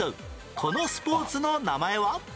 このスポーツの名前は？